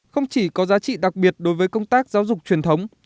không chỉ có giá trị đặc biệt đối với công tác giáo dục truyền thống